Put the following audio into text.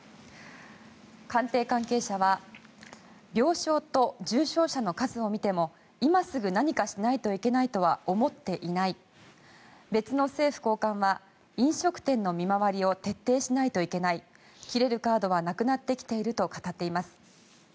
官邸関係者は病床と重症者の数を見ても今すぐ何かしないといけないとは思っていない別の政府高官は飲食店の見回りを徹底しないといけない切れるカードはなくなってきていると語っています。